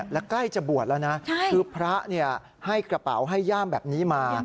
และใกล้จะบวชแล้วนะคือพระให้กระเป๋าให้ย่ามแบบนี้มา